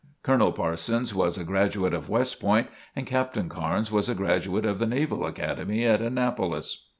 Colonel Parsons was a graduate of West Point and Captain Carnes was a graduate of the Naval Academy at Annapolis.